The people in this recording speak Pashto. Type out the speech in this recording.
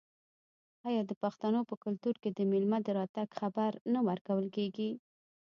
آیا د پښتنو په کلتور کې د میلمه د راتګ خبر نه ورکول کیږي؟